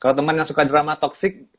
kalau teman yang suka drama toxic